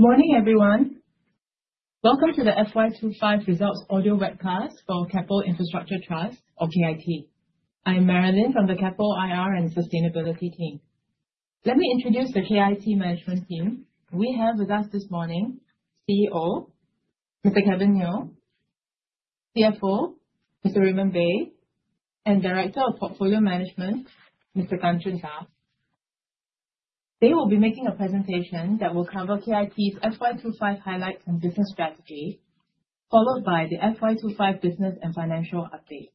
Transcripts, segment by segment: Morning, everyone. Welcome to the FY 2025 results audio webcast for Keppel Infrastructure Trust or KIT. I'm Marilyn from the Keppel Investor Relations and Sustainability team. Let me introduce the KIT management team. We have with us this morning CEO, Mr. Kevin Neo, CFO, Mr. Raymond Bay, and Director of Portfolio Management, Mr. Tan Jun da. They will be making a presentation that will cover KIT's FY 2025 highlights and business strategy, followed by the FY 2025 business and financial update.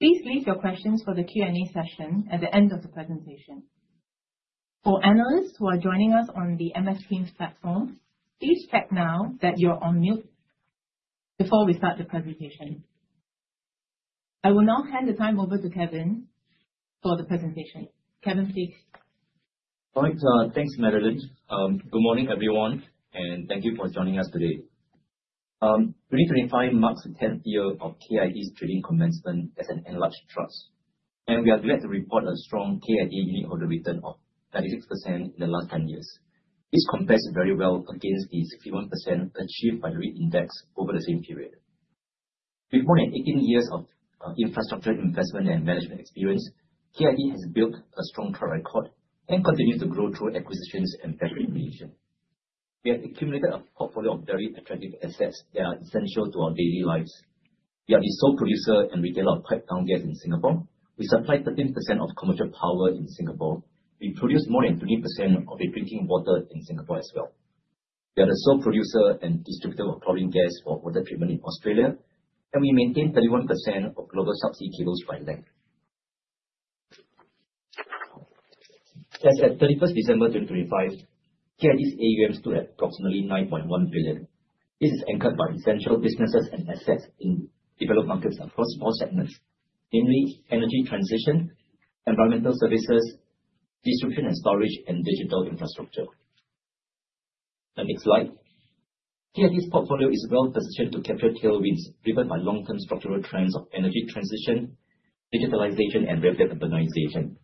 Please leave your questions for the Q&A session at the end of the presentation. For analysts who are joining us on the Microsoft Teams platform, please check now that you're on mute before we start the presentation. I will now hand the time over to Kevin for the presentation. Kevin, please. All right. Thanks, Marilyn. Good morning, everyone, and thank you for joining us today. 2025 marks the 10th year of KIT's trading commencement as an enlarged trust. We are glad to report a strong KIT unitholder return of 36% in the last 10 years. This compares very well against the 61% achieved by the index over the same period. With more than 18 years of infrastructure investment and management experience, KIT has built a strong track record and continues to grow through acquisitions and bettering the region. We have accumulated a portfolio of very attractive assets that are essential to our daily lives. We are the sole producer and retailer of piped town gas in Singapore. We supply 13% of commercial power in Singapore. We produce more than 20% of the drinking water in Singapore as well. We are the sole producer and distributor of chlorine gas for water treatment in Australia, and we maintain 31% of global subsea cables by length. As at 31st December 2025, KIT's AUM stood at approximately 9.1 billion. This is anchored by essential businesses and assets in developed markets across four segments, namely Energy Transition, Environmental Services, Distribution & Storage, and Digital Infrastructure. The next slide. KIT's portfolio is well-positioned to capture tailwinds driven by long-term structural trends of energy transition, digitalization, and rapid urbanization.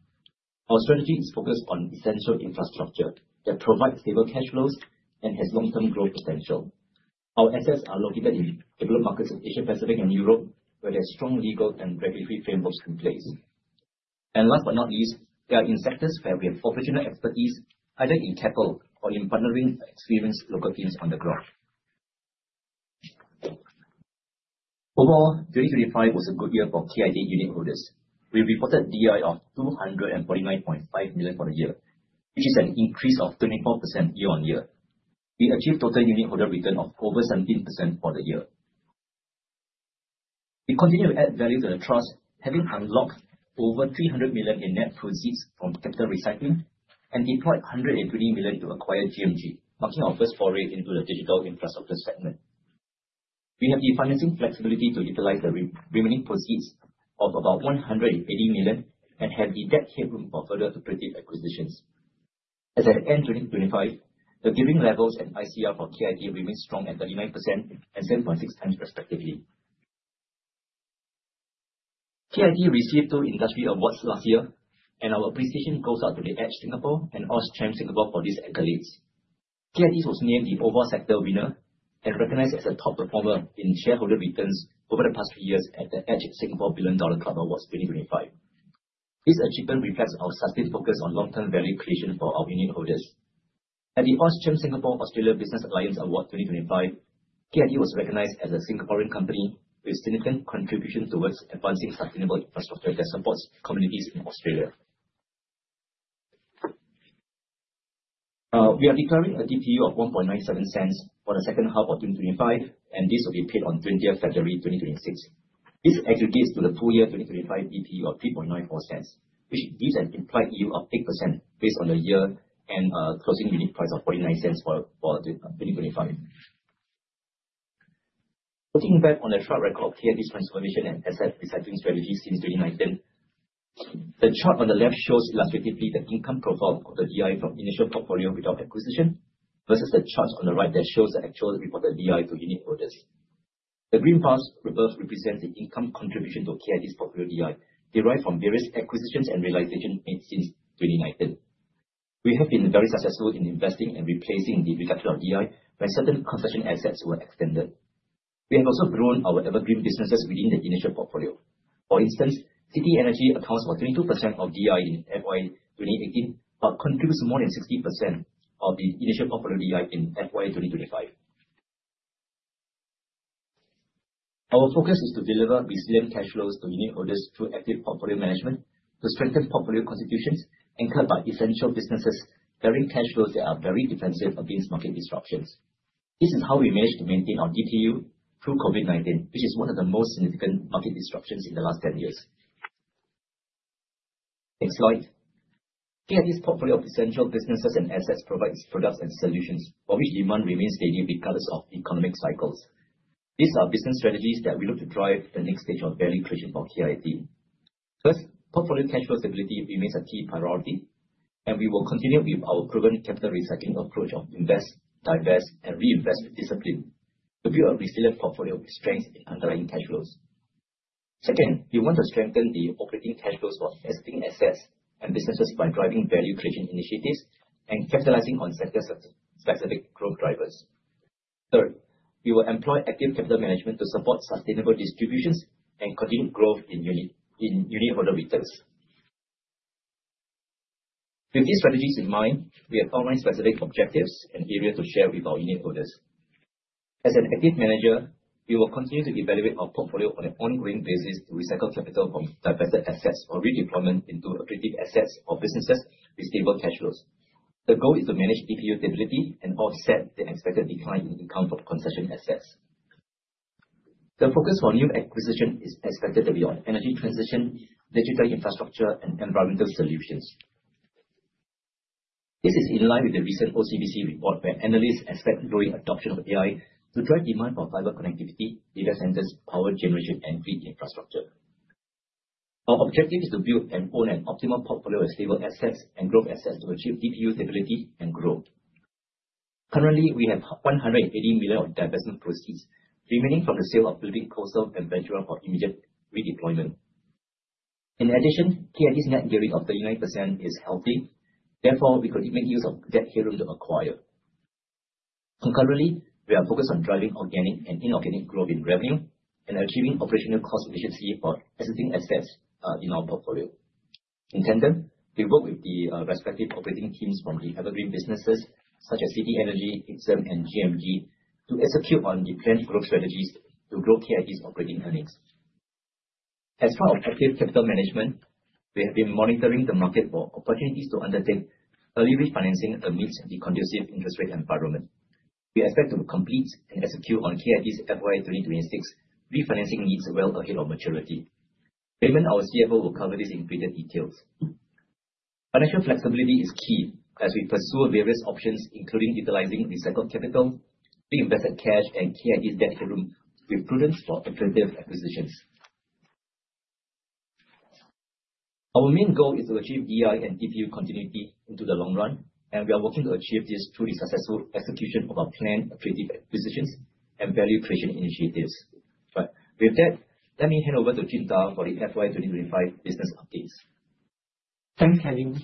Our strategy is focused on essential infrastructure that provides stable cash flows and has long-term growth potential. Our assets are located in developed markets in Asia Pacific and Europe, where there are strong legal and regulatory frameworks in place. Last but not least, they are in sectors where we have operational expertise, either in Keppel or in partnering with experienced local teams on the ground. Overall, 2025 was a good year for KIT unitholders. We reported DI of 249.5 million for the year, which is an increase of 24% year on year. We achieved total unitholder return of over 17% for the year. We continue to add value to the trust, having unlocked over 300 million in net proceeds from capital recycling and deployed 120 million to acquire GMG, marking our first foray into the Digital Infrastructure segment. We have the financing flexibility to utilize the remaining proceeds of about 180 million and have the debt headroom for further accretive acquisitions. As at end 2025, the gearing levels and ICR for KIT remain strong at 39% and 7.6x respectively. KIT received two industry awards last year, and our appreciation goes out to The Edge Singapore and AustCham Singapore for these accolades. KIT was named the overall sector winner and recognized as a top performer in shareholder returns over the past three years at The Edge Singapore Billion Dollar Club Awards 2025. This achievement reflects our sustained focus on long-term value creation for our unitholders. At the AustCham Singapore-Australia Business Alliance Award 2025, KIT was recognized as a Singaporean company with significant contribution towards advancing sustainable infrastructure that supports communities in Australia. We are declaring a DPU of 0.0197 for the second half of 2025, and this will be paid on 20th February 2026. This aggregates to the full year 2025 DPU of 0.0394, which gives an implied yield of 8% based on the year and closing unit price of 0.49 for 2025. Putting back on the track record KIT's transformation and asset recycling strategy since 2019. The chart on the left shows illustratively the income profile of the DI from initial portfolio without acquisition, versus the charts on the right that shows the actual reported DI to unitholders. The green bars above represents the income contribution to KIT's portfolio DI derived from various acquisitions and realization made since 2019. We have been very successful in investing and replacing the recapture of DI where certain concession assets were extended. We have also grown our evergreen businesses within the initial portfolio. For instance, City Energy accounts for 22% of DI in FY 2018 but contributes more than 60% of the initial portfolio DI in FY 2025. Our focus is to deliver resilient cash flows to unitholders through active portfolio management to strengthen portfolio constitutions anchored by essential businesses carrying cash flows that are very defensive against market disruptions. This is how we managed to maintain our DPU through COVID-19, which is one of the most significant market disruptions in the last 10 years. Next slide. KIT's portfolio of essential businesses and assets provides products and solutions for which demand remains steady regardless of economic cycles. These are business strategies that we look to drive the next stage of value creation for KIT. First, portfolio cash flow stability remains a key priority, and we will continue with our proven capital recycling approach of invest, divest, and reinvest with discipline to build a resilient portfolio with strength in underlying cash flows. Second, we want to strengthen the operating cash flows for existing assets and businesses by driving value creation initiatives and capitalizing on sector-specific growth drivers. Third, we will employ active capital management to support sustainable distributions and continued growth in unitholder returns. With these strategies in mind, we have outlined specific objectives and areas to share with our unitholders. As an active manager, we will continue to evaluate our portfolio on an ongoing basis to recycle capital from divested assets for redeployment into accretive assets or businesses with stable cash flows. The goal is to manage DPU stability and offset the expected decline in income from concession assets. The focus for new acquisition is expected to be on Energy Transition, Digital Infrastructure, and Environmental Solutions. This is in line with the recent OCBC report, where analysts expect growing adoption of AI to drive demand for fiber connectivity, data centers, power generation, and grid infrastructure. Our objective is to build and own an optimal portfolio of stable assets and growth assets to achieve DPU stability and growth. Currently, we have 180 million of divestment proceeds remaining from the sale of PCSPC for immediate redeployment. In addition, KIT's net gearing of 39% is healthy. We could make use of that headroom to acquire. Concurrently, we are focused on driving organic and inorganic growth in revenue and achieving operational cost efficiency for existing assets in our portfolio. In tandem, we work with the respective operating teams from the evergreen businesses such as City Energy, Ixom, and GMG to execute on the planned growth strategies to grow KIT's operating earnings. As part of active capital management, we have been monitoring the market for opportunities to undertake early refinancing amidst the conducive interest rate environment. We expect to complete and execute on KIT's FY 2026 refinancing needs well ahead of maturity. Raymond, our CFO, will cover this in greater details. Financial flexibility is key as we pursue various options, including utilizing recycled capital, reinvested cash, and KIT's debt headroom with prudence for accretive acquisitions. Our main goal is to achieve DI and DPU continuity into the long run, we are working to achieve this through the successful execution of our planned accretive acquisitions and value creation initiatives. With that, let me hand over to Jun Da for the FY 2025 business updates. Thanks, Kevin.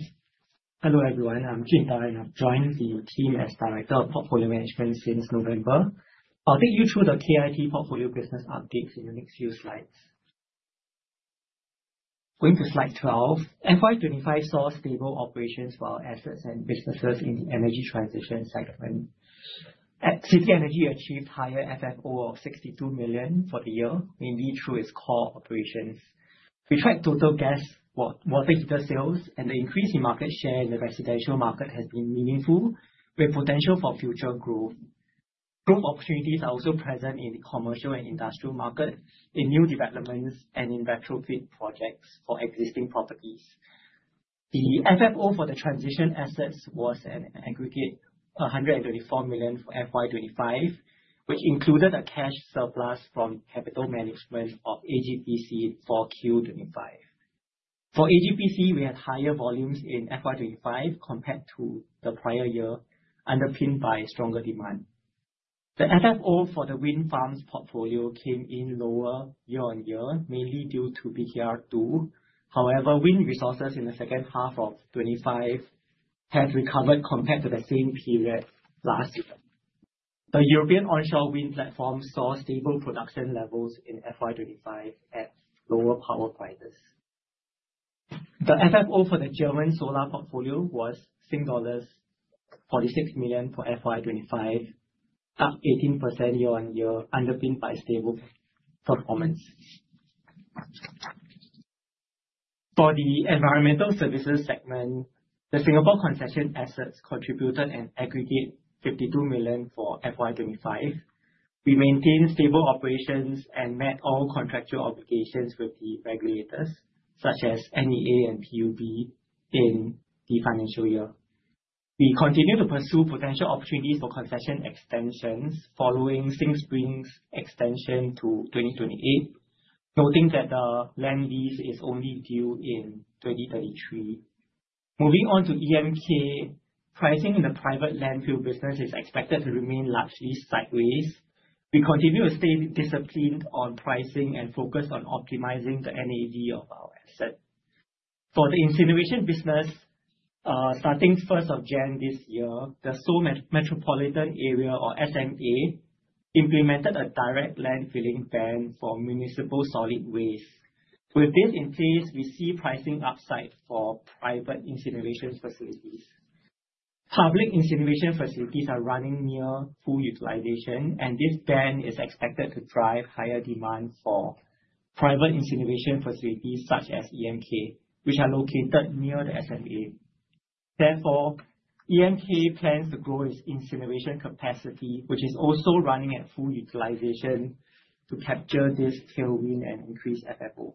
Hello, everyone. I'm Jun Da, and I've joined the team as Director of Portfolio Management since November. I'll take you through the KIT portfolio business updates in the next few slides. Going to slide 12. FY 2025 saw stable operations for our assets and businesses in the energy transition segment. City Energy achieved higher FFO of 62 million for the year, mainly through its core operations. We tracked total gas water heater sales, and the increase in market share in the residential market has been meaningful, with potential for future growth. Growth opportunities are also present in the commercial and industrial market, in new developments, and in retrofit projects for existing properties. The FFO for the transition assets was an aggregate 134 million for FY 2025, which included a cash surplus from capital management of AGPC for Q 2025. For AGPC, we had higher volumes in FY 2025 compared to the prior year, underpinned by stronger demand. The FFO for the wind farms portfolio came in lower year-on-year, mainly due to BKR2. However, wind resources in the second half of 2025 have recovered compared to the same period last year. The European onshore wind platform saw stable production levels in FY 2025 at lower power prices. The FFO for the German solar portfolio was dollars 46 million for FY 2025, up 18% year-on-year, underpinned by stable performance. For the Environmental Services segment, the Singapore concession assets contributed an aggregate 52 million for FY 2025. We maintained stable operations and met all contractual obligations with the regulators such as NEA and PUB in the financial year. We continue to pursue potential opportunities for concession extensions following SingSpring's extension to 2028, noting that the land lease is only due in 2033. Moving on to EMK, pricing in the private landfill business is expected to remain largely sideways. We continue to stay disciplined on pricing and focus on optimizing the NAV of our asset. For the incineration business, starting 1st of January this year, the Seoul Metropolitan Area, or SMA, implemented a direct landfilling ban for municipal solid waste. With this in place, we see pricing upside for private incineration facilities. Public incineration facilities are running near full utilization, and this ban is expected to drive higher demand for private incineration facilities such as EMK, which are located near the SMA. Therefore, EMK plans to grow its incineration capacity, which is also running at full utilization to capture this tailwind and increase FFO.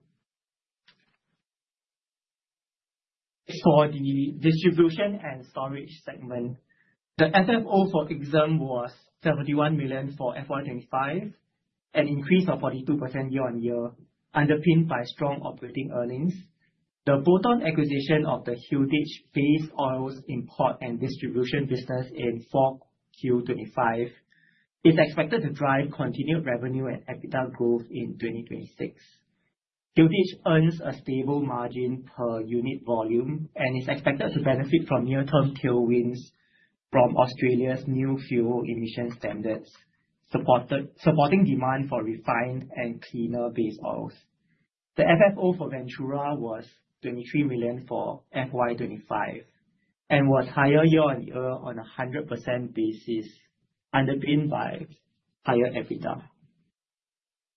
For the Distribution & Storage segment, the FFO for Ixom was 71 million for FY 2025, an increase of 42% year-on-year, underpinned by strong operating earnings. The bolt-on acquisition of the Hilditch base oils import and distribution business in 4Q 2025 is expected to drive continued revenue and EBITDA growth in 2026. Hilditch earns a stable margin per unit volume and is expected to benefit from near-term tailwinds from Australia's New Vehicle Efficiency Standard, supporting demand for refined and cleaner base oils. The FFO for Ventura was 23 million for FY 2025, was higher year-on-year on a 100% basis, underpinned by higher EBITDA.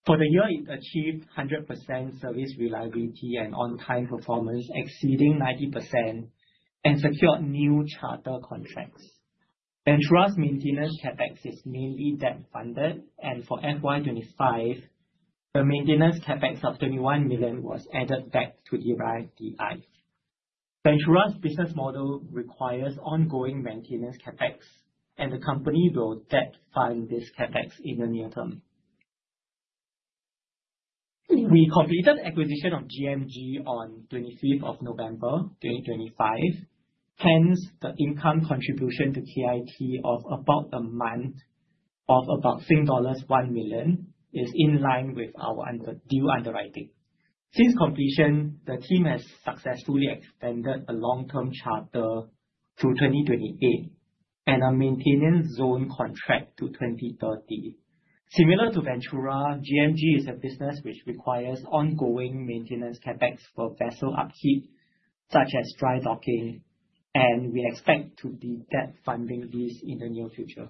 For the year, it achieved 100% service reliability and on-time performance exceeding 90% and secured new charter contracts. Ventura's maintenance CapEx is mainly debt-funded, and for FY 2025, the maintenance CapEx of 21 million was added back to derive the EI. Ventura's business model requires ongoing maintenance CapEx, and the company will debt fund this CapEx in the near term. We completed acquisition of GMG on 25th of November 2025. The income contribution to KIT of about a month of about 1 million is in line with our due underwriting. Since completion, the team has successfully extended a long-term charter to 2028 and a maintenance zone contract to 2030. Similar to Ventura, GMG is a business which requires ongoing maintenance CapEx for vessel upkeep, such as dry docking, and we expect to be debt funding this in the near future.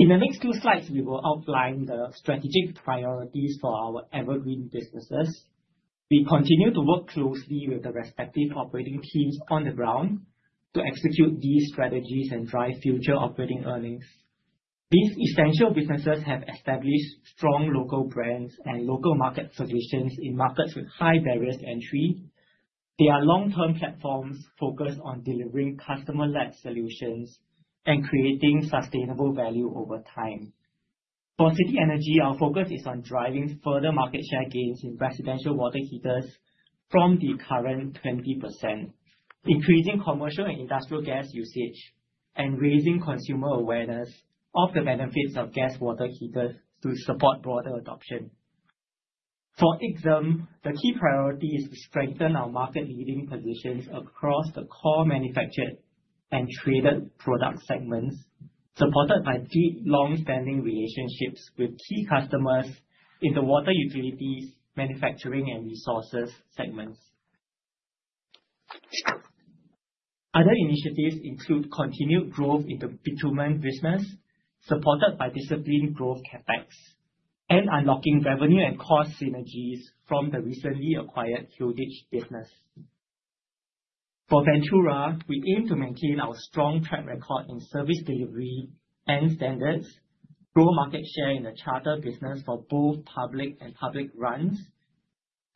In the next two slides, we will outline the strategic priorities for our evergreen businesses. We continue to work closely with the respective operating teams on the ground to execute these strategies and drive future operating earnings. These essential businesses have established strong local brands and local market solutions in markets with high barriers to entry. They are long-term platforms focused on delivering customer-led solutions and creating sustainable value over time. For City Energy, our focus is on driving further market share gains in residential water heaters from the current 20%, increasing commercial and industrial gas usage, and raising consumer awareness of the benefits of gas water heaters to support broader adoption. For Ixom, the key priority is to strengthen our market-leading positions across the core manufactured and traded product segments, supported by deep, long-standing relationships with key customers in the water utilities, manufacturing, and resources segments. Other initiatives include continued growth in the bitumen business, supported by disciplined growth CapEx, and unlocking revenue and cost synergies from the recently acquired Hilditch business. For Ventura, we aim to maintain our strong track record in service delivery and standards, grow market share in the charter business for both public and public runs,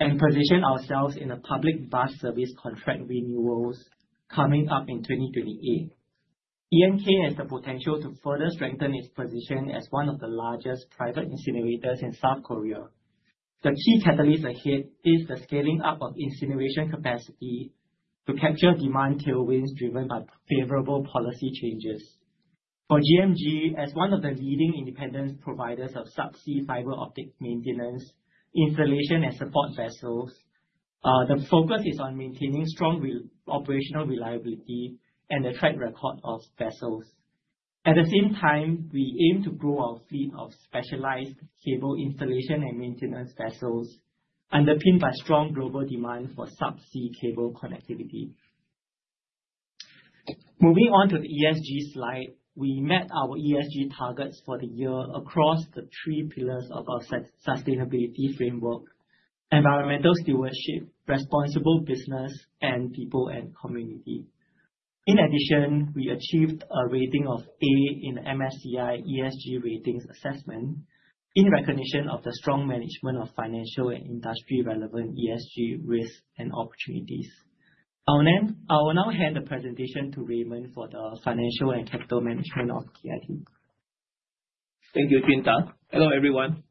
and position ourselves in the public bus service contract renewals coming up in 2028. EMK has the potential to further strengthen its position as one of the largest private incinerators in South Korea. The key catalyst ahead is the scaling up of incineration capacity to capture demand tailwinds driven by favorable policy changes. For GMG, as one of the leading independent providers of subsea fiber optic maintenance, installation, and support vessels, the focus is on maintaining strong operational reliability and the track record of vessels. At the same time, we aim to grow our fleet of specialized cable installation and maintenance vessels underpinned by strong global demand for subsea cable connectivity. Moving on to the ESG slide, we met our ESG targets for the year across the three pillars of our sustainability framework: environmental stewardship, responsible business, and people and community. We achieved a rating of A in MSCI ESG ratings assessment in recognition of the strong management of financial and industry-relevant ESG risks and opportunities. I will now hand the presentation to Raymond for the financial and capital management of KIT. Thank you, Jun Da. Hello, everyone.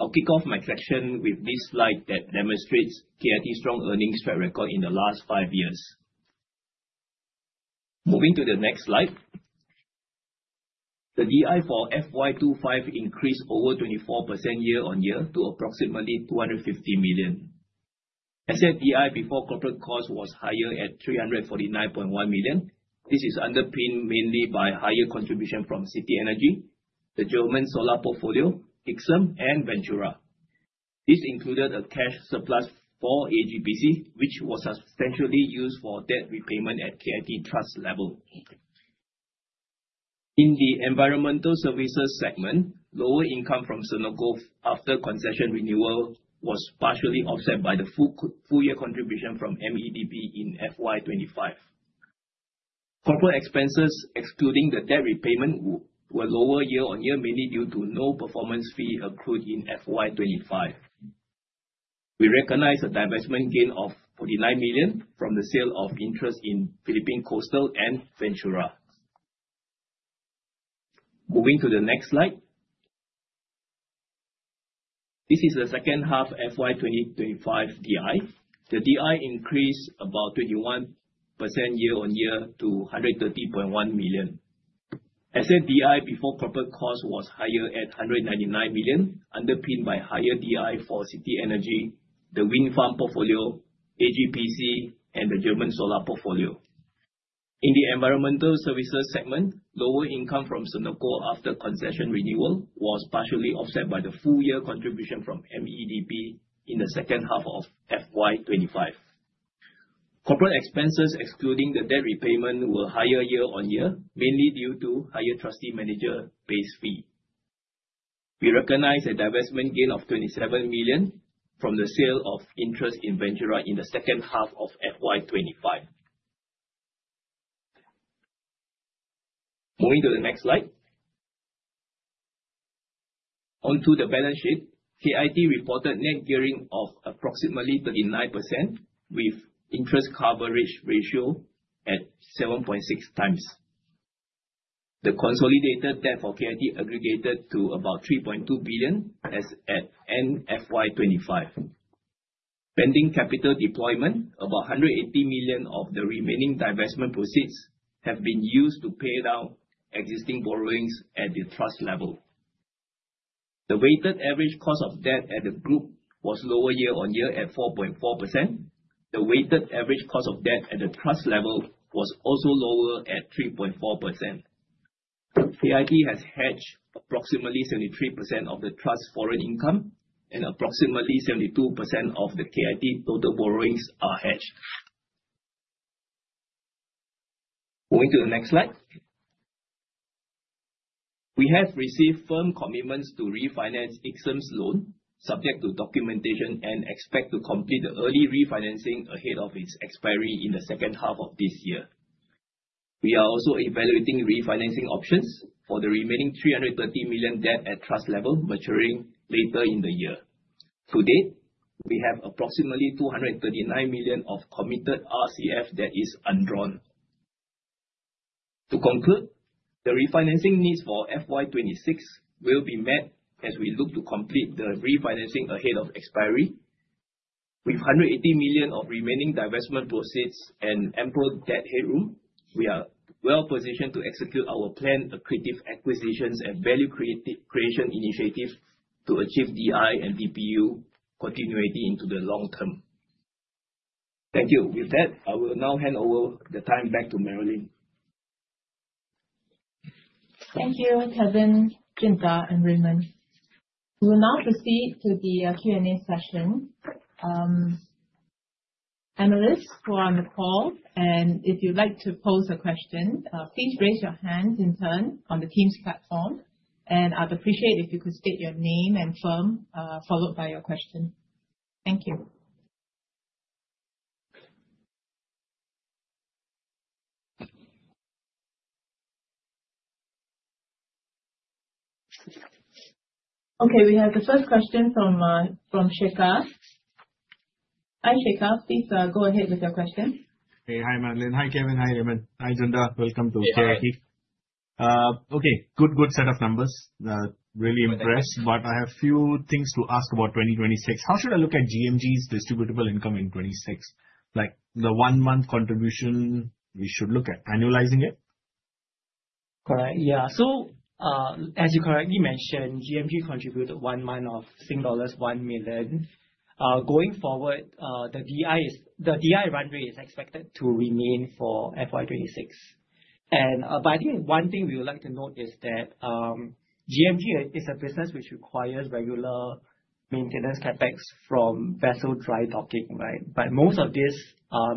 I'll kick off my section with this slide that demonstrates KIT's strong earnings track record in the last five years. Moving to the next slide. The DI for FY 2025 increased over 24% year-on-year to approximately 250 million. As said, DI before corporate cost was higher at 349.1 million. This is underpinned mainly by higher contribution from City Energy, the German solar portfolio, Ixom, and Ventura. This included a cash surplus for AGPC, which was substantially used for debt repayment at KIT trust level. In the Environmental Services segment, lower income from Senoko after concession renewal was partially offset by the full year contribution from MEDP in FY 2025. Corporate expenses, excluding the debt repayment, were lower year-on-year, mainly due to no performance fee accrued in FY 2025. We recognized a divestment gain of 49 million from the sale of interest in Philippine Coastal and Ventura. Moving to the next slide. This is the second half FY 2025 DI. The DI increased about 21% year-on-year to 130.1 million. Asset DI before corporate cost was higher at 199 million, underpinned by higher DI for City Energy, the wind farm portfolio, AGPC, and the German solar portfolio. In the Environmental Services segment, lower income from Senoko after concession renewal was partially offset by the full year contribution from MEDP in the second half of FY 2025. Corporate expenses, excluding the debt repayment, were higher year-on-year, mainly due to higher trustee manager base fee. We recognize a divestment gain of 27 million from the sale of interest in Ventura in the second half of FY 2025. Moving to the next slide. Onto the balance sheet, KIT reported net gearing of approximately 39% with interest coverage ratio at 7.6x. The consolidated debt for KIT aggregated to about 3.2 billion as at end FY 2025. Pending capital deployment, about 180 million of the remaining divestment proceeds have been used to pay down existing borrowings at the trust level. The weighted average cost of debt at the group was lower year-on-year at 4.4%. The weighted average cost of debt at the trust level was also lower at 3.4%. KIT has hedged approximately 73% of the trust foreign income and approximately 72% of the KIT total borrowings are hedged. Moving to the next slide. We have received firm commitments to refinance Ixom's loan subject to documentation and expect to complete the early refinancing ahead of its expiry in the second half of this year. We are also evaluating refinancing options for the remaining 330 million debt at trust level maturing later in the year. To date, we have approximately 239 million of committed RCF that is undrawn. To conclude, the refinancing needs for FY 2026 will be met as we look to complete the refinancing ahead of expiry. With 180 million of remaining divestment proceeds and ample debt headroom, we are well-positioned to execute our planned accretive acquisitions and value creation initiative to achieve DI and DPU continuity into the long term. Thank you. With that, I will now hand over the time back to Marilyn. Thank you, Kevin, Jun Da, and Raymond. We will now proceed to the Q&A session. Analysts who are on the call, if you'd like to pose a question, please raise your hand in turn on the Teams platform, I'd appreciate if you could state your name and firm, followed by your question. Thank you. Okay, we have the first question from from Shekhar. Hi, Shekhar. Please go ahead with your question. Hey. Hi, Marilyn. Hi, Kevin. Hi, Raymond. Hi, Jun Da. Welcome to KIT. Yeah. okay, good set of numbers. really impressed. Thank you. I have few things to ask about 2026. How should I look at GMG's distributable income in 2026? Like the one-month contribution, we should look at annualizing it? Correct. Yeah. As you correctly mentioned, GMG contributed one month of Sing dollars 1 million. Going forward, the DI run rate is expected to remain for FY 2026. But I think one thing we would like to note is that GMG is a business which requires regular maintenance CapEx from vessel dry docking, right? But most of this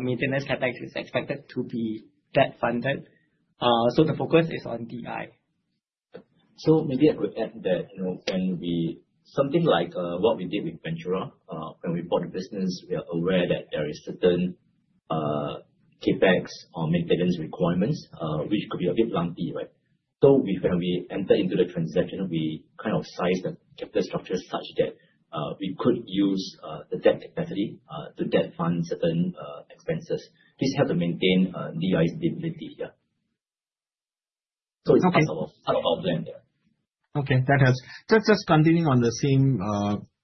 maintenance CapEx is expected to be debt-funded. The focus is on DI. Maybe I could add that, you know, when we Something like what we did with Ventura, when we bought the business, we are aware that there is certain CapEx or maintenance requirements, which could be a bit lumpy, right? We, when we enter into the transaction, we kind of size the capital structure such that we could use the debt capacity to debt fund certain expenses. This help to maintain DI stability here. Okay. It's part of our plan there. Okay. That helps. Just continuing on the same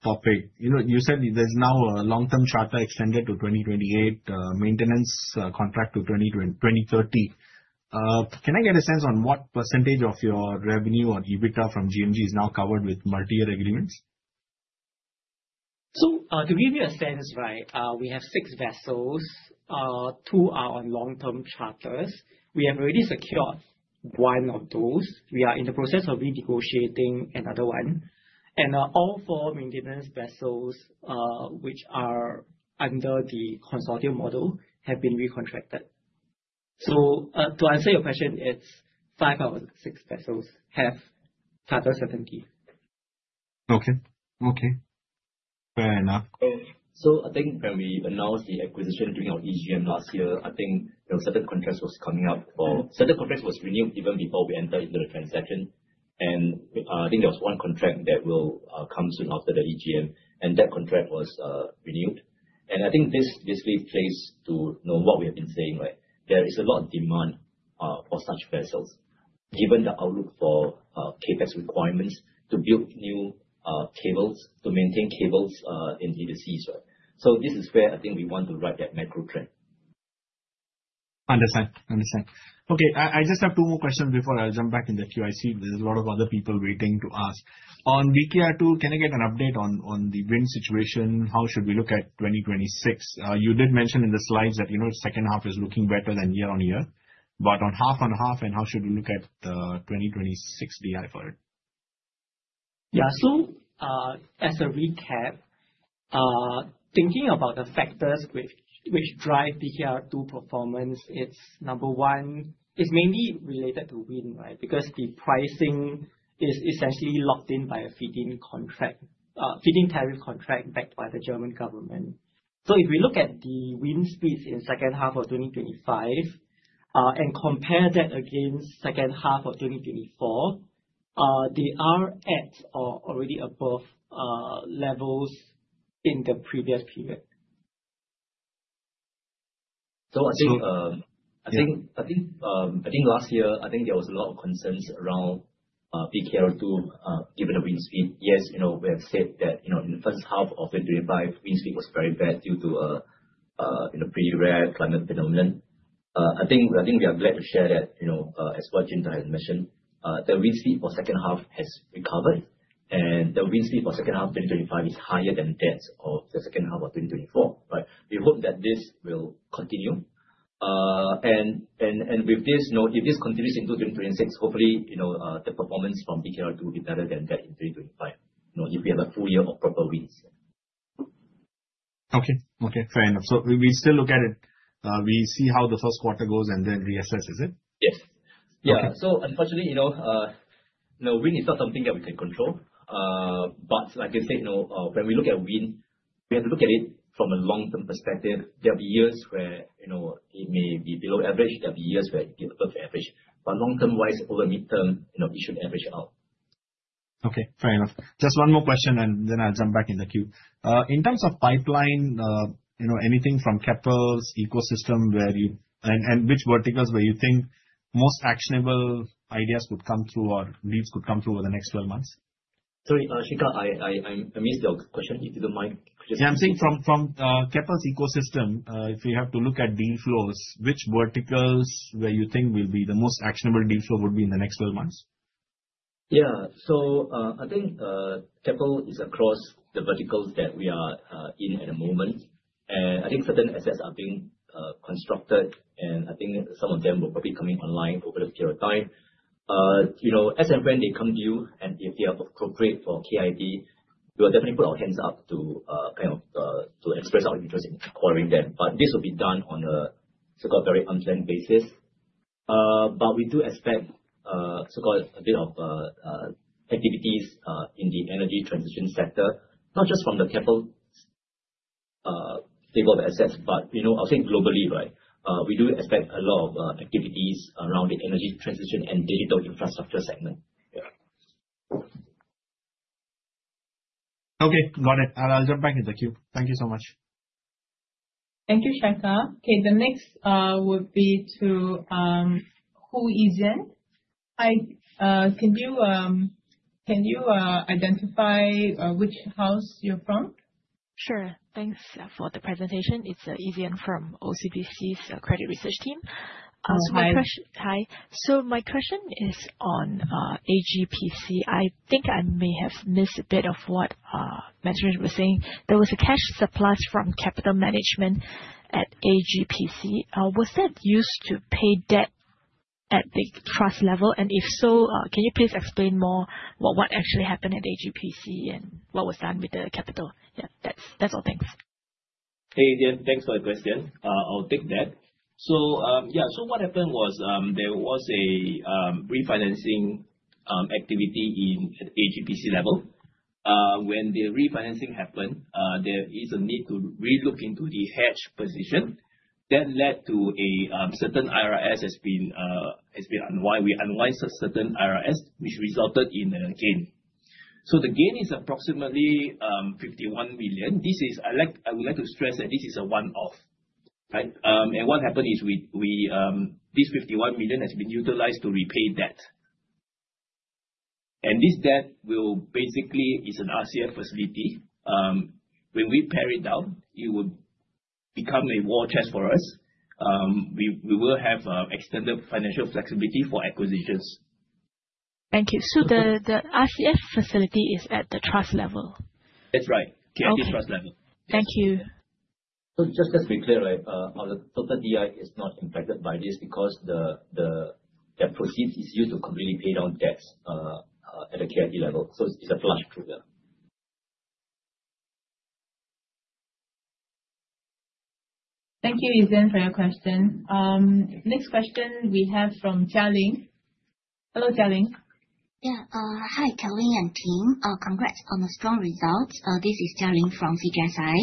topic. You know, you said there's now a long-term charter extended to 2028, maintenance contract to 2030. Can I get a sense on what percentage of your revenue or EBITDA from GMG is now covered with multi-year agreements? To give you a sense, right, we have six vessels. Two are on long-term charters. We have already secured one of those. We are in the process of renegotiating another one. All four maintenance vessels, which are under the consortium model have been recontracted. To answer your question, it's five out of six vessels have charter certainty. Okay. Okay. Fair enough. When we announced the acquisition during our EGM last year, you know, certain contracts were renewed even before we entered into the transaction. There was one contract that will come soon after the EGM, and that contract was renewed. This basically plays to know what we have been saying, right? There is a lot of demand for such vessels given the outlook for CapEx requirements to build new cables, to maintain cables in the seas. This is where we want to ride that macro trend. Understand. Understand. Okay. I just have two more questions before I jump back in the queue. I see there's a lot of other people waiting to ask. On BKR2, can I get an update on the wind situation? How should we look at 2026? You did mention in the slides that, you know, second half is looking better than year-on-year, but on half-on-half, and how should we look at the 2026 DI for it? Yeah. As a recap, thinking about the factors which drive BKR2 performance, it's number one, it's mainly related to wind, right? Because the pricing is essentially locked in by a feed-in tariff contract backed by the German government. If we look at the wind speeds in second half of 2025, and compare that against second half of 2024, they are at or already above levels in the previous period. I think last year, there was a lot of concerns around BKR2, given the wind speed. Yes, you know, we have said that, you know, in the first half of 2025, wind speed was very bad due to a, you know, pretty rare climate phenomenon. I think we are glad to share that, you know, as what Jun Da has mentioned, the wind speed for second half has recovered, and the wind speed for second half of 2025 is higher than that of the second half of 2024, right? We hope that this will continue. With this, you know, if this continues into 2026, hopefully, you know, the performance from BKR2 will be better than that in 2025. You know, if we have a full year of proper winds. Okay. Okay. Fair enough. We still look at it. We see how the first quarter goes and then reassess, is it? Yes. Yeah. Unfortunately, you know, you know, wind is not something that we can control. Like I said, you know, when we look at wind, we have to look at it from a long-term perspective. There'll be years where, you know, it may be below average. There'll be years where it's above average. Long-term wise, over midterm, you know, it should average out. Okay. Fair enough. Just one more question, and then I'll jump back in the queue. In terms of pipeline, you know, anything from Keppel's ecosystem, which verticals where you think most actionable ideas would come through or leads could come through over the next 12 months? Sorry, Shekhar, I missed your question. If you don't mind just. Yeah, I'm saying from Keppel's ecosystem, if you have to look at deal flows, which verticals where you think will be the most actionable deal flow would be in the next 12 months? Yeah. I think Keppel is across the verticals that we are in at the moment. I think certain assets are being constructed, and I think some of them will probably be coming online over the period of time. You know, as and when they come due, and if they are appropriate for KIT, we'll definitely put our hands up to kind of to express our interest in acquiring them. This will be done on a so-called very unplanned basis. We do expect so-called a bit of activities in the Energy Transition sector. Not just from the Keppel stable of assets, but, you know, I would think globally, right? We do expect a lot of activities around the Energy Transition and Digital Infrastructure segment. Yeah. Okay. Got it. I'll jump back in the queue. Thank you so much. Thank you, Shekhar. Okay, the next would be to Hu YiZhen. Hi. Can you identify which house you're from? Sure. Thanks for the presentation. It is YiZhen from OCBC's credit research team. Hi. Hi. My question is on AGPC. I think I may have missed a bit of what Matthew was saying. There was a cash surplus from capital management at AGPC. Was that used to pay debt at the trust level? If so, can you please explain more what actually happened at AGPC and what was done with the capital? That's all. Thanks. Hey, YiZhen. Thanks for the question. I'll take that. What happened was, there was a refinancing activity at AGPC level. When the refinancing happened, there is a need to relook into the hedge position. That led to a certain IRS has been unwind. We unwinds a certain IRS, which resulted in a gain. The gain is approximately 51 million. I would like to stress that this is a one-off, right? What happened is this 51 million has been utilized to repay debt. This debt will basically is an RCF facility. When we pay it down, it would become a war chest for us. We will have extended financial flexibility for acquisitions. Thank you. Welcome. The RCF facility is at the trust level? That's right. Okay. At the trust level. Thank you. Just to be clear, right, our total DI is not impacted by this because the proceeds is used to completely pay down debts at a KIT level. It's a flush through there. Thank you, YiZhen, for your question. Next question we have from Li Jialin. Hello, Li Jialin. Yeah. Hi, Kevin and team. Congrats on the strong results. This is Li Jialin from CGS.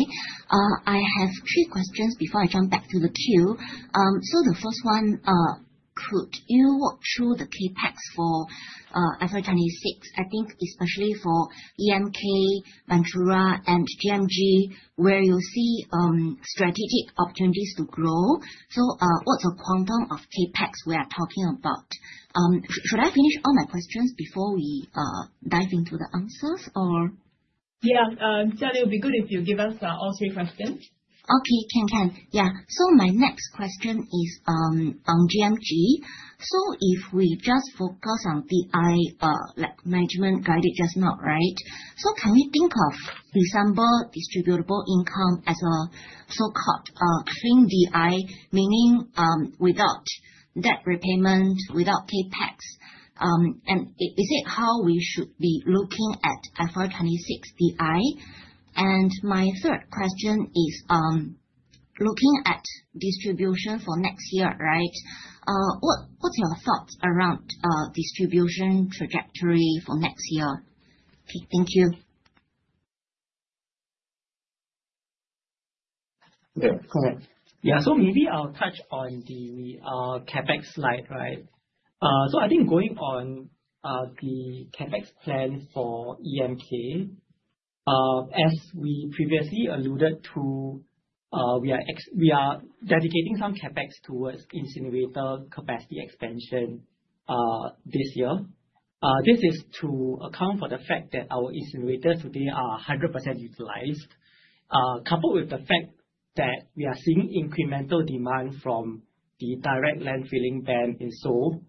I have three questions before I jump back to the queue. The first one, Could you walk through the CapEx for FY 2026? I think especially for EMK, Ventura, and GMG, where you see strategic opportunities to grow. What's the quantum of CapEx we are talking about? Should I finish all my questions before we dive into the answers or? Jialin, it'll be good if you give us all three questions. Okay. Can. Yeah. My next question is on GMG. If we just focus on DI, like management guided just now, right? Can we think of December distributable income as a so-called clean DI, meaning without debt repayment, without CapEx, and is it how we should be looking at FY 2026 DI? My third question is, looking at distribution for next year, right? What's your thoughts around distribution trajectory for next year? Thank you. Yeah. Go ahead. Yeah. Maybe I'll touch on the CapEx slide, right? I think going on the CapEx plan for EMK, as we previously alluded to, we are dedicating some CapEx towards incinerator capacity expansion this year. This is to account for the fact that our incinerators today are 100% utilized. Coupled with the fact that we are seeing incremental demand from the direct landfilling ban in Seoul,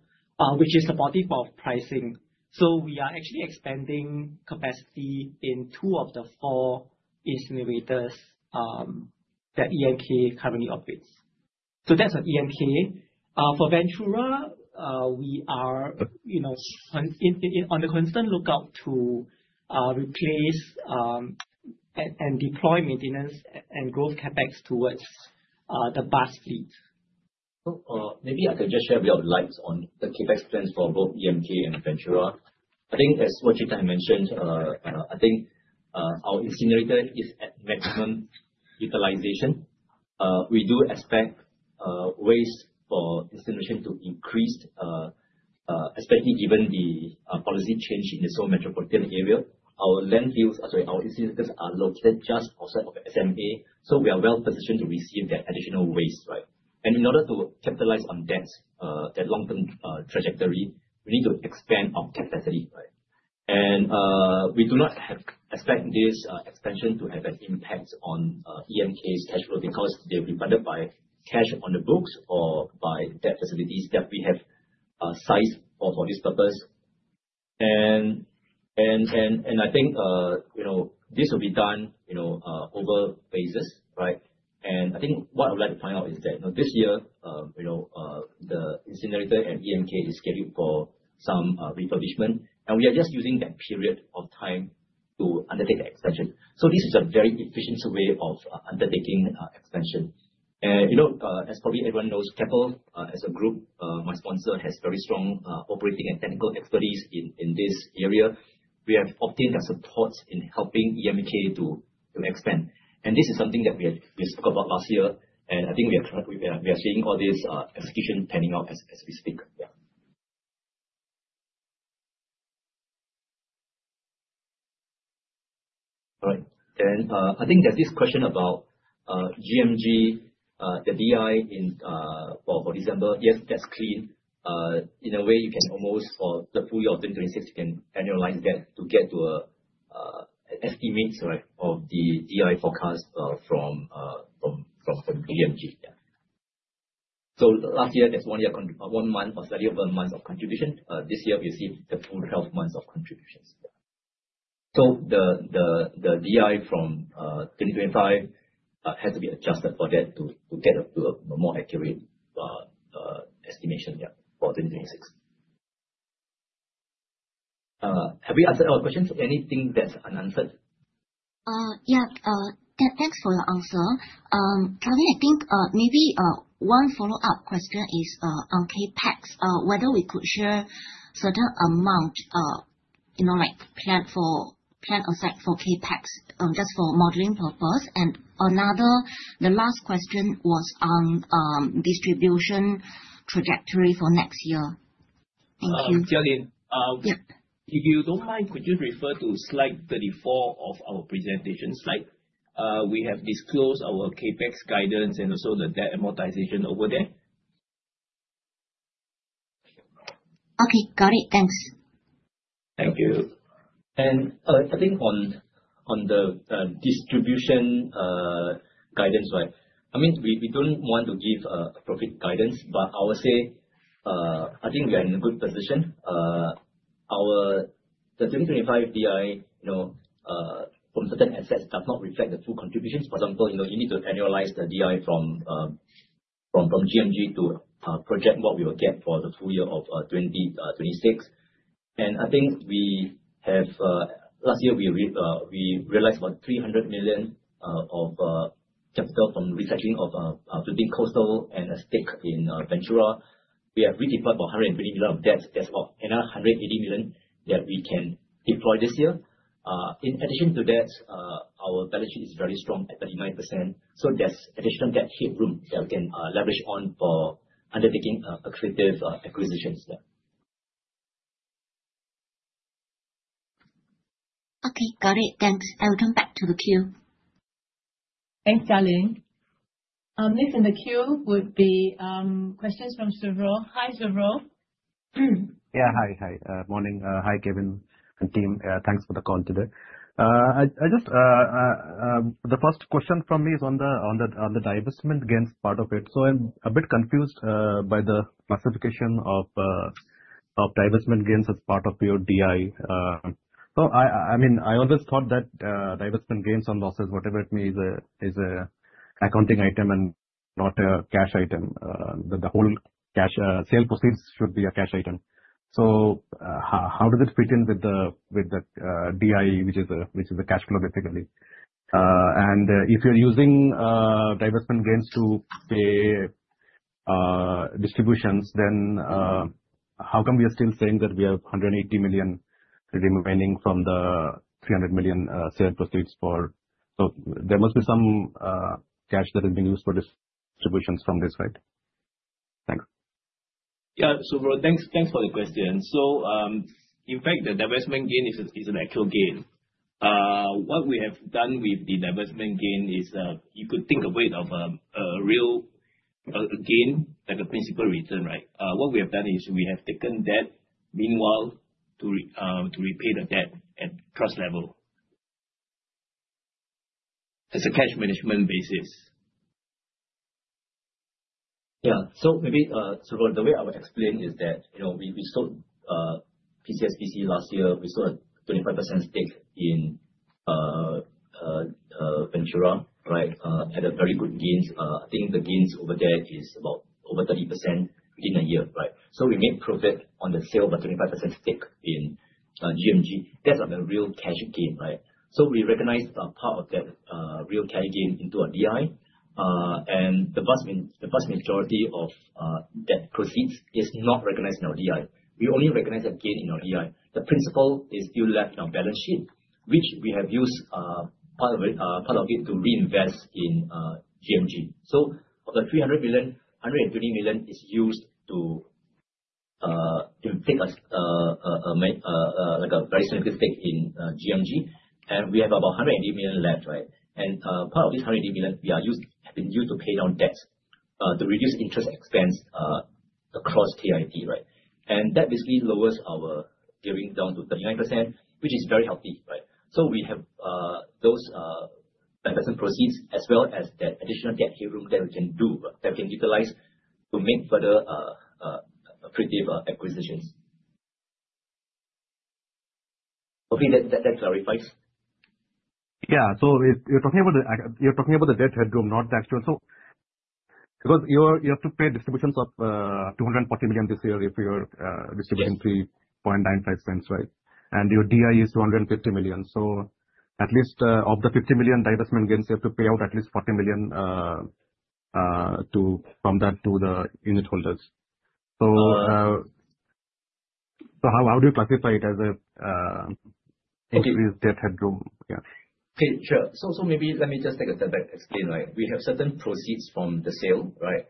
which is supportive of pricing. We are actually expanding capacity in two of the four incinerators that EMK currently operates. That's on EMK. For Ventura, we are, you know, on the constant lookout to replace and deploy maintenance and growth CapEx towards the bus fleet. Maybe I could just shed a bit of light on the CapEx plans for both EMK and Ventura. I think as Jun Da mentioned, I think our incinerator is at maximum utilization. We do expect waste for incineration to increase, especially given the policy change in the Seoul Metropolitan Area. Our landfills, sorry, our incinerators are located just outside of the SMA, so we are well-positioned to receive that additional waste. In order to capitalize on that long-term trajectory, we need to expand our capacity. We do not expect this expansion to have an impact on EMK's cash flow because they're funded by cash on the books or by debt facilities that we have sized for this purpose. I think, you know, this will be done over phases. Right. I think what I'd like to point out is that, you know, this year, the incinerator at EMK is scheduled for some refurbishment, and we are just using that period of time to undertake the expansion. This is a very efficient way of undertaking expansion. You know, as probably everyone knows, Keppel, as a group, my sponsor, has very strong operating and technical expertise in this area. We have obtained their support in helping EMK to expand. This is something that we spoke about last year, and I think we are seeing all this execution panning out as we speak. Yeah. All right. I think there's this question about GMG, the DI in December. Yes, that's clean. In a way, you can almost for the full year of 2026, you can annualize that to get to an estimate, right, of the DI forecast from GMG. Yeah. Last year, there's one month or 13 months of contribution. This year we have seen the full 12 months of contributions. Yeah. The DI from 2025 has to be adjusted for that to get a more accurate estimation for 2026. Have we answered all questions? Anything that's unanswered? Yeah. Thanks for your answer. Currently, I think, maybe, one follow-up question is on CapEx. Whether we could share certain amount, you know, like planned for, planned aside for CapEx, just for modeling purpose. Another, the last question was on distribution trajectory for next year. Thank you. Li Jialin. Yeah. If you don't mind, could you refer to slide 34 of our presentation slide? We have disclosed our CapEx guidance and also the debt amortization over there. Okay. Got it. Thanks. Thank you. I think on the distribution guidance, right? I mean, we don't want to give profit guidance, but I would say, I think we are in a good position. The 2025 DI, you know, from certain assets does not reflect the full contributions. For example, you know, you need to annualize the DI from GMG to project what we will get for the full year of 2026. I think we have, last year we realized about 300 million of capital from recycling of our Philippine Coastal and a stake in Ventura. We have redeployed about 180 million of debt. That's about another 180 million that we can deploy this year. In addition to that, our balance sheet is very strong at 39%. There's additional debt headroom that we can leverage on for undertaking accretive acquisitions, yeah. Okay, got it. Thanks. I will come back to the queue. Thanks, Jialin. Next in the queue would be questions from Suvro. Hi, Suvro. Yeah, hi. Morning. Hi, Kevin and team. Thanks for the call today. I just, the first question from me is on the divestment gains part of it. I'm a bit confused by the classification of divestment gains as part of your DI. I mean, I always thought that divestment gains or losses, whatever it may, is a accounting item and not a cash item, that the whole cash sale proceeds should be a cash item. How does it fit in with the DI, which is the cash flow basically? If you're using divestment gains to pay distributions, how come we are still saying that we have 180 million remaining from the 300 million sale proceeds? There must be some cash that has been used for distributions from this, right? Thanks. Suvro, thanks for the question. In fact, the divestment gain is an actual gain. What we have done with the divestment gain is, you could think of it of a real gain, like a principal return, right? What we have done is we have taken debt meanwhile to repay the debt at trust level. It's a cash management basis. Maybe, Suvro, the way I would explain is that, you know, we sold PCSPC last year. We sold a 25% stake in Ventura Motors, right? At a very good gains. I think the gains over there is about over 30% within a year, right? We made profit on the sale of a 25% stake in Global Marine Group. That's like a real cash gain, right? We recognized a part of that real cash gain into our DI. The vast majority of that proceeds is not recognized in our DI. We only recognize the gain in our DI. The principal is still left in our balance sheet, which we have used part of it to reinvest in GMG. Of the 300 million, 130 million is used to take a very significant stake in GMG, and we have about 180 million left. Part of this 180 million have been used to pay down debts to reduce interest expense across KIT. That basically lowers our gearing down to 39%, which is very healthy, right? We have those divestment proceeds as well as that additional debt headroom that we can do, that we can utilize to make further accretive acquisitions. Hopefully that clarifies. Yeah. You're talking about the debt headroom, not the actual. Because you have to pay distributions of 240 million this year if you're distributing 0.0395, right? Your DI is 250 million. At least of the 50 million divestment gains, you have to pay out at least 40 million from that to the unit holders. Uh- how do you classify it as a? Okay. Debt headroom? Yeah. Okay, sure. Maybe let me just take a step back, explain, right. We have certain proceeds from the sale, right.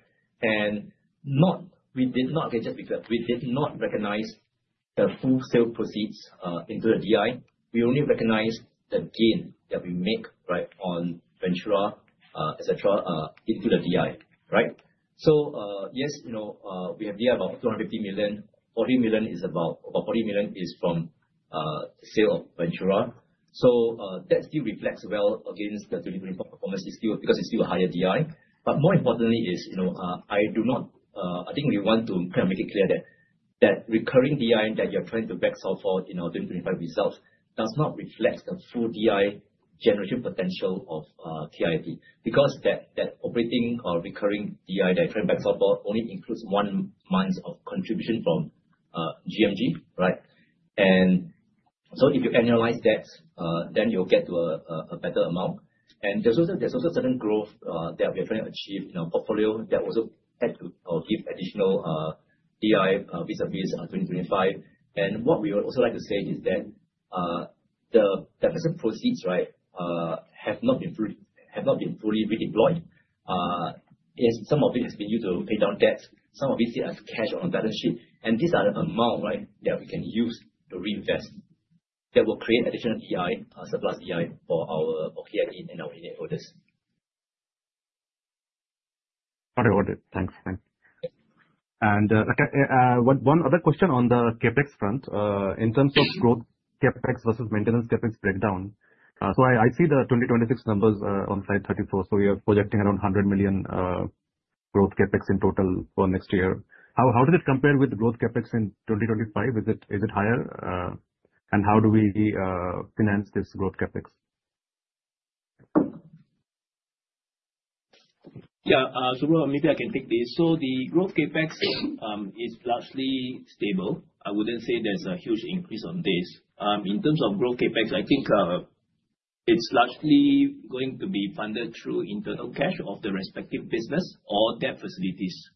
We did not get it because we did not recognize the full sale proceeds into the DI. We only recognized the gain that we make, right, on Ventura, et cetera, into the DI, right. Yes, you know, we have DI of about 250 million. 40 million is about, or 40 million is from sale of Ventura. That still reflects well against the performance. It's still because it's still a higher DI. More importantly is, you know, I think we want to make it clear that recurring DI that you're trying to back solve for does not reflect the full DI generation potential of KIT. That operating or recurring DI that you're trying to back solve for only includes 1 month of contribution from GMG, right? If you annualize that, then you'll get to a better amount. There's also certain growth that we are trying to achieve in our portfolio that also add to or give additional DI vis-à-vis 2025. What we would also like to say is that the divestment proceeds, right, have not been fully reemployed. Some of it has been used to pay down debt, some of it is as cash on the balance sheet. These are the amount, right, that we can use to reinvest, that will create additional DI, surplus DI for our, for KIT and our unitholders. Got it. Got it. Thanks. Thanks. One other question on the CapEx front. In terms of growth CapEx versus maintenance CapEx breakdown. I see the 2026 numbers on slide 34. You're projecting around 100 million growth CapEx in total for next year. How did it compare with growth CapEx in 2025? Is it higher? How do we finance this growth CapEx? Yeah. Suvro, maybe I can take this. The growth CapEx is largely stable. I wouldn't say there's a huge increase on this. In terms of growth CapEx, I think it's largely going to be funded through internal cash of the respective business or debt facilities.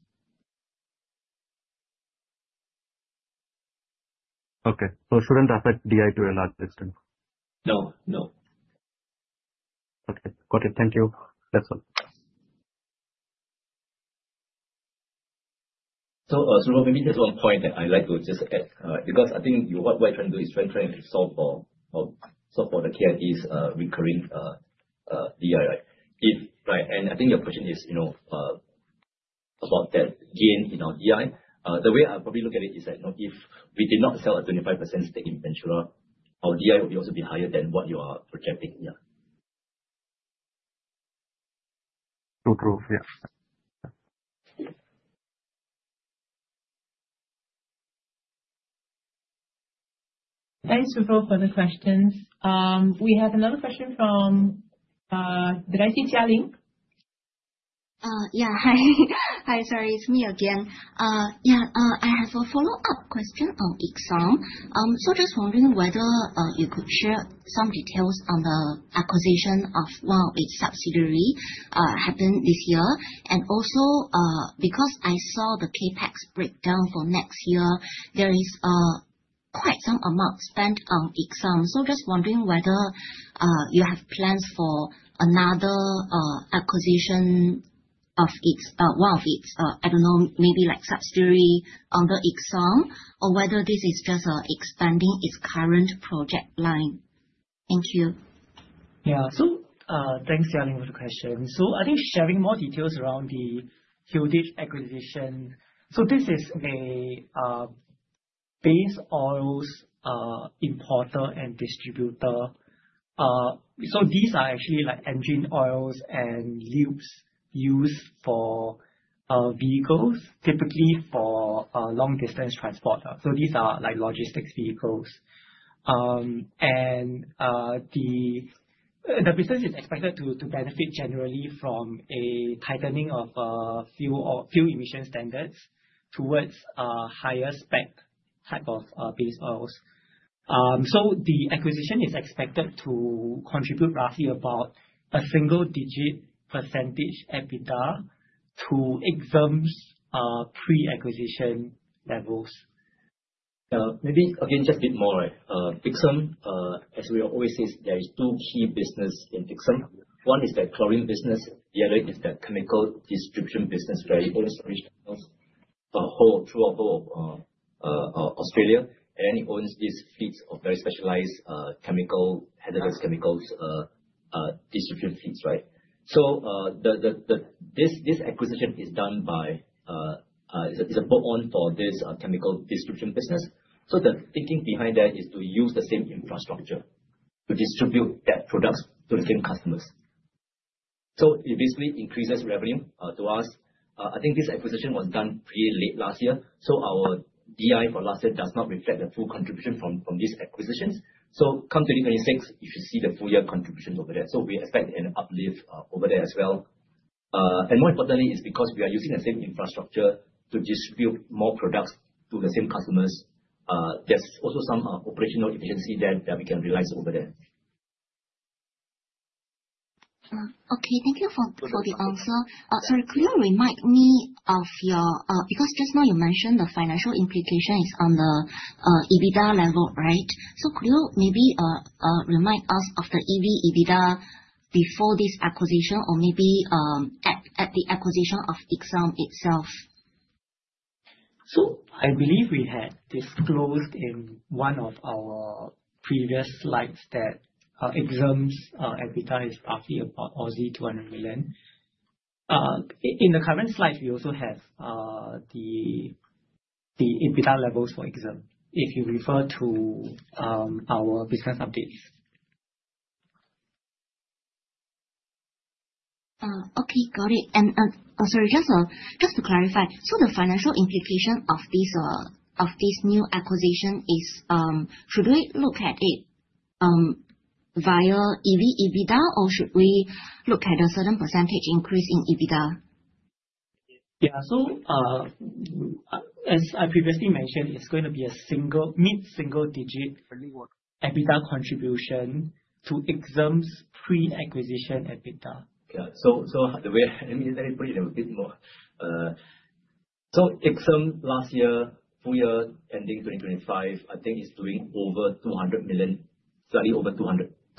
Okay. It shouldn't affect DI to a large extent? No, no. Okay. Got it. Thank you. That's all. Suvro, maybe there's one point that I'd like to just add, because I think what we're trying to do is we're trying to solve for, solve for the KIT's recurring DI. I think your question is, you know, about that gain in our DI. The way I probably look at it is that, you know, if we did not sell a 25% stake in Ventura, our DI would also be higher than what you are projecting here. True. Yes. Thanks, Suvro, for the questions. We have another question from, did I see Li Jialin? Hi. Hi. Sorry, it's me again. I have a follow-up question on Ixom. Just wondering whether you could share some details on the acquisition of one of its subsidiary, happened this year. Because I saw the CapEx breakdown for next year, there is quite some amount spent on Ixom. Just wondering whether you have plans for another acquisition of its one of its, I don't know, maybe like subsidiary under Ixom or whether this is just expanding its current project line. Thank you. Thanks, Li Jialin, for the question. I think sharing more details around the Hilditch acquisition. This is a base oils importer and distributor. These are actually like engine oils and lubes used for vehicles, typically for long-distance transport. These are like logistics vehicles. The business is expected to benefit generally from a tightening of fuel emission standards towards higher spec type of base oils. The acquisition is expected to contribute roughly about a single-digit percentage EBITDA to Ixom's pre-acquisition levels. Maybe again, just a bit more. Ixom, as we always say, there is two key business in Ixom. One is the chlorine business, the other is the chemical distribution business where it owns and operates throughout Australia, and it owns these fleets of very specialized chemical, hazardous chemicals distribution fleets, right. This acquisition is done by, it's a bolt-on for this chemical distribution business. The thinking behind that is to use the same infrastructure to distribute that products to the same customers. It basically increases revenue to us. I think this acquisition was done pretty late last year, so our DI for last year does not reflect the full contribution from these acquisitions. Come 2026, you should see the full year contributions over there. We expect an uplift over there as well. More importantly is because we are using the same infrastructure to distribute more products to the same customers, there's also some operational efficiency there that we can realize over there. Okay. Thank you for the answer. Sorry. Because just now you mentioned the financial implication is on the EBITDA level, right? Could you maybe remind us of the EV EBITDA before this acquisition or maybe at the acquisition of Ixom itself? I believe we had disclosed in one of our previous slides that Ixom's EBITDA is roughly about 200 million. In the current slide, we also have the EBITDA levels for Ixom, if you refer to our business updates. Okay. Got it. Sorry, just to clarify. The financial implication of this, of this new acquisition is, should we look at it, via EV/EBITDA, or should we look at a certain percentage increase in EBITDA? As I previously mentioned, it's going to be a single, mid-single digit EBITDA contribution to Ixom's pre-acquisition EBITDA. Yeah. Let me put it a bit more. Ixom last year, full year ending 2025, I think it's doing over 200 million, slightly over 200, 200+ million EBITDA.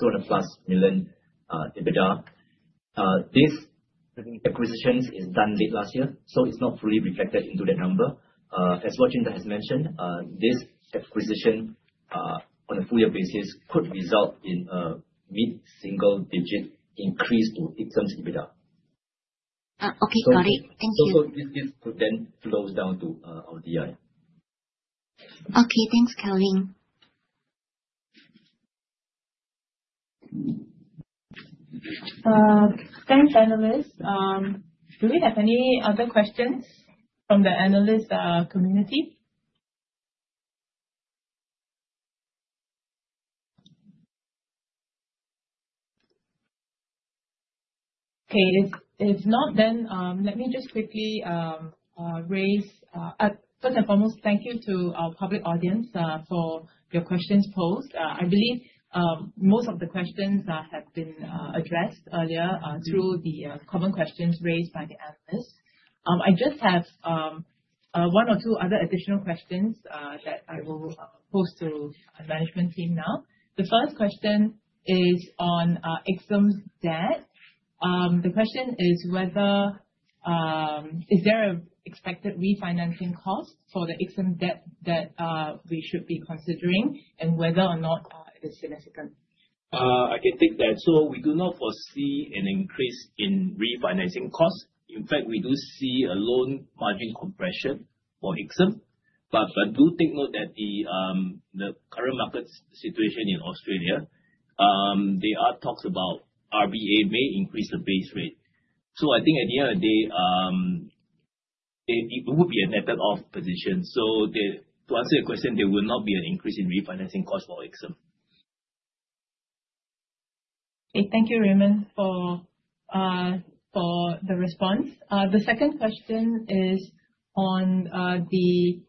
Jun Da has mentioned, this acquisition, on a full year basis could result in a mid-single digit increase to Ixom's EBITDA. Okay. Got it. Thank you. This then flows down to our DI. Okay. Thanks, Jialin. Thanks, analysts. Do we have any other questions from the analyst community? Okay. First and foremost, thank you to our public audience, for your questions posed. I believe most of the questions have been addressed earlier through the common questions raised by the analysts. I just have one or two other additional questions that I will pose to our management team now. The first question is on Ixom's debt. The question is whether Is there a expected refinancing cost for the Ixom debt that we should be considering and whether or not it is significant? I can take that. We do not foresee an increase in refinancing costs. In fact, we do see a loan margin compression for Ixom. I do take note that the current market situation in Australia, there are talks about RBA may increase the base rate. I think at the end of the day, it will be an offset off position. To answer your question, there will not be an increase in refinancing cost for Ixom. Okay. Thank you, Raymond, for the response. The second question is on the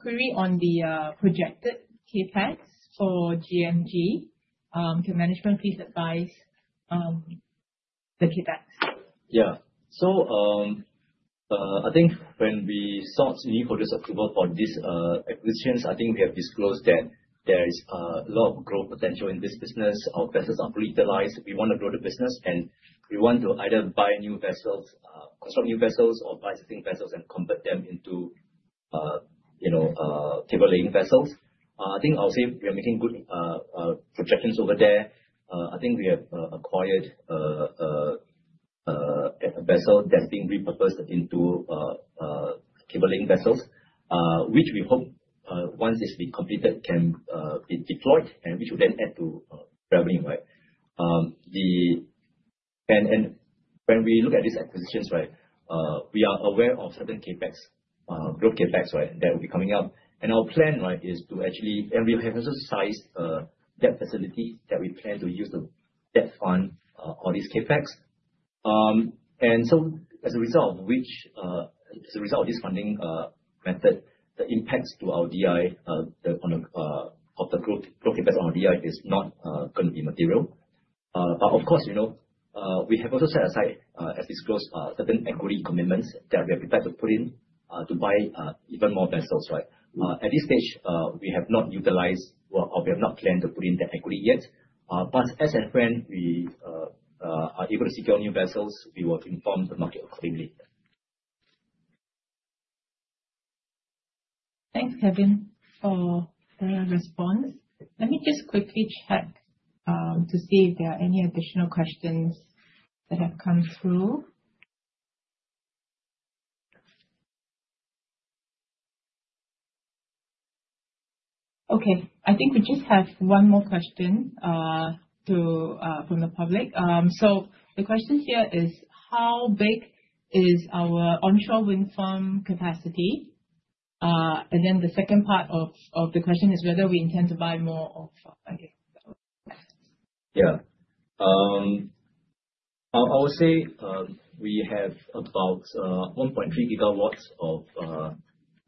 query on the projected CapEx for GMG. Can management please advise the CapEx? Yeah. I think when we sought EGM for this approval for this acquisitions, I think we have disclosed that there is a lot of growth potential in this business. Our vessels are fully utilized. We want to grow the business and we want to either buy new vessels, construct new vessels or buy existing vessels and convert them into, you know, cable laying vessels. I think I'll say we are making good projections over there. I think we have acquired a vessel that's being repurposed into cable laying vessels, which we hope, once it's been completed, can be deployed and which will then add to revenue, right? When we look at these acquisitions, right, we are aware of certain CapEx, growth CapEx, right, that will be coming up. Our plan, right, is to actually. We have also sized that facility that we plan to use to debt fund all these CapEx. As a result of which, as a result of this funding method, the impacts to our DI of the growth CapEx on our DI is not gonna be material. Of course, you know, we have also set aside, as disclosed, certain equity commitments that we are prepared to put in to buy even more vessels, right? At this stage, we have not utilized or we have not planned to put in that equity yet. As and when we are able to secure new vessels, we will inform the market accordingly. Thanks, Kevin, for the response. Let me just quickly check to see if there are any additional questions that have come through. Okay. I think we just have 1 more question to from the public. The question here is how big is our onshore wind farm capacity? The second part of the question is whether we intend to buy more of. Yeah. I'll say, we have about 1.3 GW of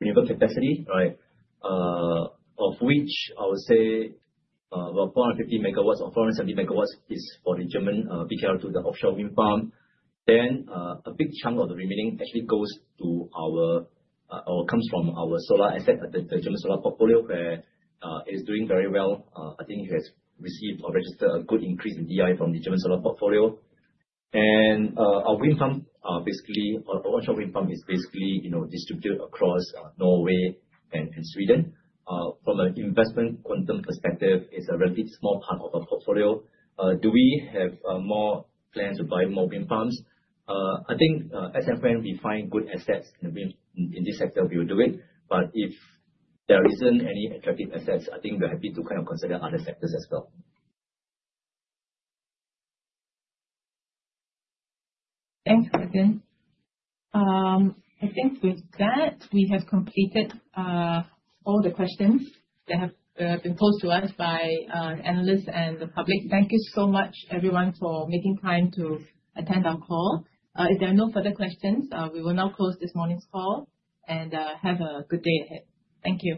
renewable capacity, right? Of which I would say, about 450 MW or 470 MW is for the German BKR2 to the offshore wind farm. A big chunk of the remaining actually goes to our or comes from our solar asset, the German solar portfolio, where it is doing very well. I think it has received or registered a good increase in DI from the German solar portfolio. Our wind farm, basically, our onshore wind farm is basically, you know, distributed across Norway and Sweden. From an investment quantum perspective, it's a relatively small part of our portfolio. Do we have more plans to buy more wind farms? I think, as and when we find good assets in wind, in this sector, we will do it. If there isn't any attractive assets, I think we're happy to kind of consider other sectors as well. Thanks, Kevin. I think with that, we have completed all the questions that have been posed to us by analysts and the public. Thank you so much, everyone, for making time to attend our call. If there are no further questions, we will now close this morning's call, and have a good day ahead. Thank you.